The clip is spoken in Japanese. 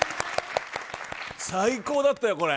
最高だったよ、これ。